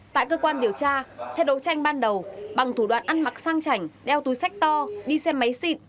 tại cơ quan điều tra theo đấu tranh ban đầu bằng thủ đoạn ăn mặc sang chảnh đeo túi sách to đi xe máy xịn